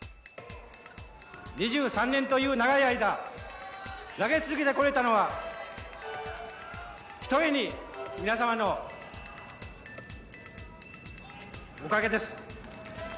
２３年という長い間、投げ続けてこれたのは、ひとえに皆様のおかげです。